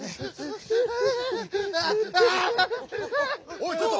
おいちょっと！